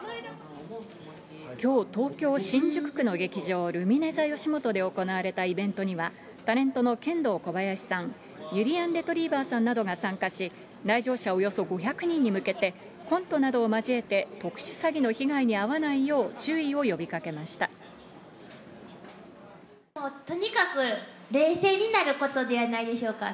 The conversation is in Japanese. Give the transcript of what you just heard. きょう、東京・新宿区の劇場、ルミネざよしもとで行われたイベントには、タレントのケンドーコバヤシさん、ゆりやんレトリィバァさんらが参加し、来場者およそ５００人に向けてコントなどを交えて、特殊詐欺の被害に遭わないよう、注意をとにかく冷静になることではないでしょうか。